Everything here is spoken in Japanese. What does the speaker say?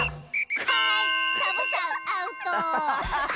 はいサボさんアウト！